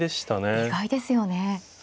意外ですよね。